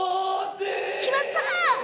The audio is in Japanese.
決まった！